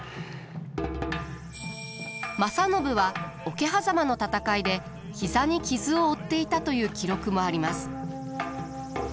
正信は桶狭間の戦いで膝に傷を負っていたという記録もあります。